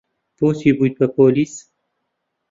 بۆچی بوویت بە پۆلیس؟